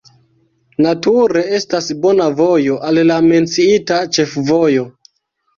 Nature estas bona vojo al la menciita ĉefvojo.